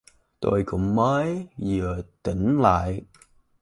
Tôi cũng mới vừa tỉnh lại